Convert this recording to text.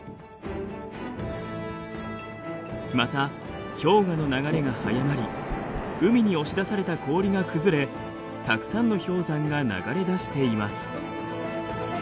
また氷河の流れが速まり海に押し出された氷が崩れたくさんの氷山が流れ出しています。